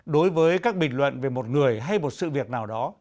đối với các bình luận về một người hay một sự việc nào đó